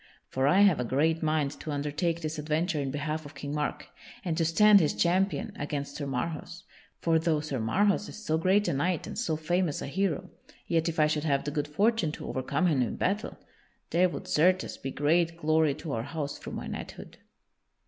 For I have a great mind to undertake this adventure in behalf of King Mark, and to stand his champion against Sir Marhaus. For though Sir Marhaus is so great a knight and so famous a hero, yet if I should have the good fortune to overcome him in battle, there would, certes, be great glory to our house through my knighthood."